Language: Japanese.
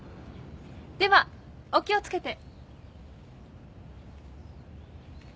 ではお気を付けて。